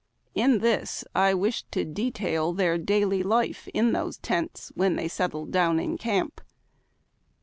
lu this I wish to detail their dail}' life in those tents when they settled down in camp.